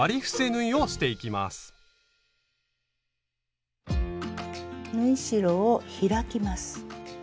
縫い代を開きます。